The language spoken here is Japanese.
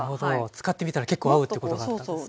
使ってみたら結構合うってことだったんですね。